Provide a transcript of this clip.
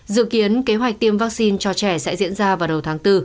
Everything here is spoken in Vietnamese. dự kiến kế hoạch tiêm vaccine cho trẻ sẽ diễn ra vào đầu tháng bốn